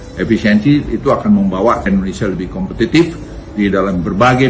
efisiensi itu akan membawa indonesia lebih kompetitif di dalam berbagai